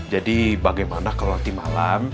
jadi bagaimana kalau nanti malam